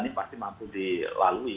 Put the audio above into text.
ini pasti mampu dilalui